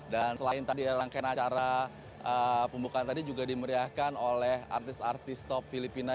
dan selain tadi rangkaian acara pembukaan tadi juga dimeriahkan oleh artis artis top filipina